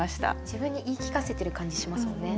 自分に言い聞かせてる感じしますもんね。